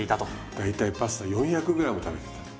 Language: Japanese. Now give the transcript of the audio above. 大体パスタ４００ｇ食べてた。